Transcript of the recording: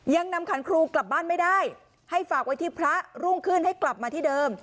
ยังนำขันครูกลับบ้านไม่ได้ให้ฝากไว้ที่พระรุ่งขึ้นให้กลับมาที่เดิม